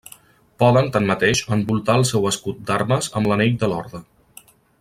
Poden, tanmateix, envoltar el seu escut d'armes amb l'anell de l'orde.